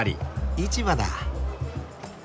市場だ。